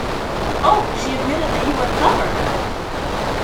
Oh, she admitted that you were clever!